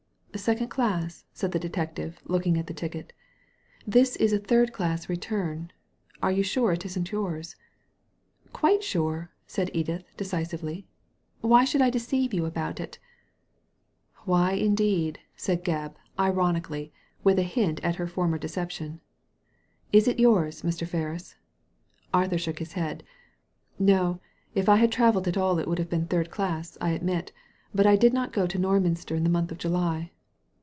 ^ Second dass/' said the detective, looking at the ticket ; "this is a third class return. Are you sure it isn't yours ?" "Quite sure" said Edith, decisively. Why should I deceive you about it? *'" Why, indeed I " said Gebb, ironically, with a hint at her former deception. '* Is it yours, Mr. Ferris ?" Arthur shook his head. ^No. If I travelled at all it would be third class, I admit But I did not go to Norminster in the month of July."